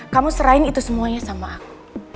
kamu serahin itu semuanya sama aku